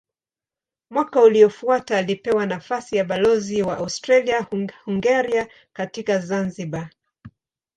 Mwaka uliofuata alipewa nafasi ya balozi wa Austria-Hungaria katika Zanzibar.